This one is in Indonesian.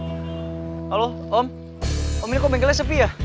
halo om ini kok bengkelnya sepi ya